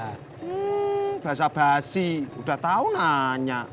hmm basa basi udah tau nanya